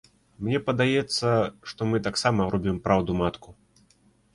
Мне падаецца, што мы таксама рубім праўду-матку.